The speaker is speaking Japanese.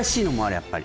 やっぱり